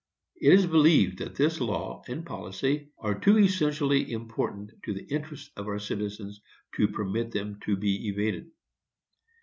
It is believed that this law and policy are too essentially important to the interests of our citizens to permit them to be evaded.